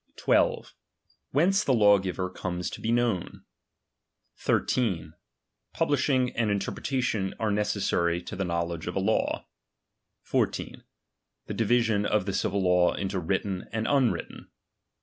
12. Whence the lawgiver comes to be known. 23. Publishing and interpretation are necessary to the know ledge of a law. 14. The division of the civil law into written and unwritten.